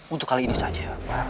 untuk kali ini saja